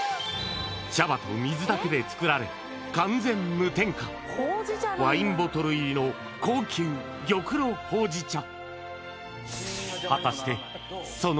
茶葉と水だけで作られ完全無添加ワインボトル入りの高級玉露ほうじ茶